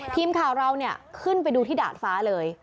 ทีมข่าวเราเนี่ยขึ้นไปดูที่ดาดฟ้าเลย